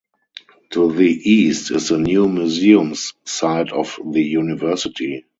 To the east is the New Museums Site of the University.